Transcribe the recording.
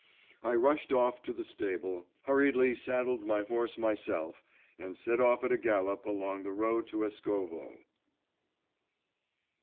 I rushed off to the stable, hurriedly saddled my horse myself, and set off at a gallop along the road to Eskovo.